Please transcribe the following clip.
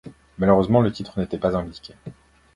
Malheureusement, le titre n’était pas indiqué.